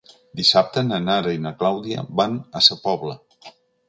Dissabte na Nara i na Clàudia van a Sa Pobla.